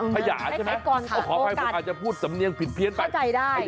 พญาใช่ไหมขออภัยผมอาจจะพูดสำเนียงผิดเพี้ยนไปเข้าใจได้